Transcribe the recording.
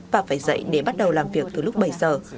và phải dậy để bắt đầu làm việc từ lúc bảy giờ